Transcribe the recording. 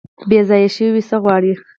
بیځایه شوي څه غواړي؟